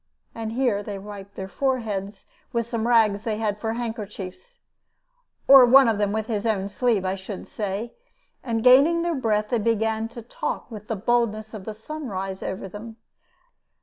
And here they wiped their foreheads with some rags they had for handkerchiefs, or one of them with his own sleeve, I should say, and, gaining their breath, they began to talk with the boldness of the sunrise over them.